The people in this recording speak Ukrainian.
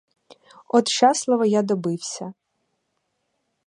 От щасливо я добився.